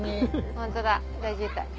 ホントだ大渋滞。